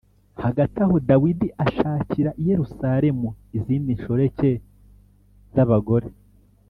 hagati aho dawidi ashakira i yerusalemu izindi nshoreke za bagore